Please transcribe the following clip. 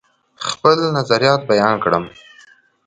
خپل نظریات بیان کړم.